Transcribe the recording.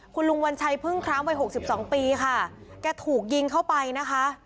คุณลุงวัญชัยพึ่งคล้ามวัย๖๒ปีค่ะแกถูกยิงเข้าไปนะคะ